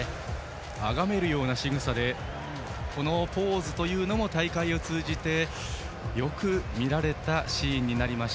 あがめるようなしぐさでこのポーズというのも大会を通じてよく見られたシーンです。